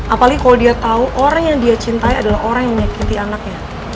apalagi kalau dia tahu orang yang dia cintai adalah orang yang menyakiti anaknya